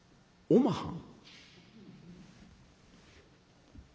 おまはん？